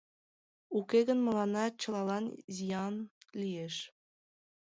Уке гын мыланна чылалан зиян лиеш...